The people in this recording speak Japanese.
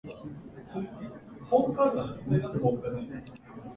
言いたいことも言えないこんな世の中